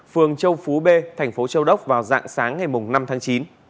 phường châu phú b tp châu đốc vào dạng sáng ngày năm tháng chín